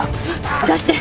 出して。